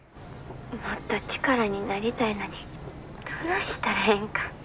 もっと力になりたいのにどないしたらええんか。